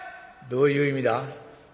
「どういう意味だ？」。